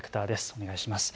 お願いします。